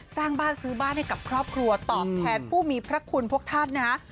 สร้างบ้านซื้อบ้านให้กับครอบครัวตอบแทนผู้มีพระคุณพวกท่านนะฮะ